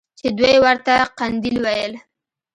چې دوى ورته قنديل ويل.